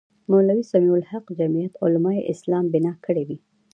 مولوي سمیع الحق جمیعت علمای اسلام بنا کړې وې.